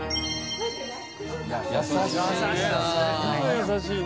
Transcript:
優しいな。